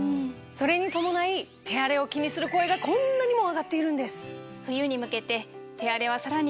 それに伴い手荒れを気にする声がこんなにも上がっているんです！